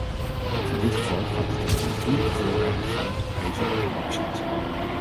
In dit geval gaat het om de natuurlijke voorraden goud, ijzer en bauxiet.